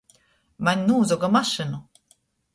Maņ nūzoga mašynu!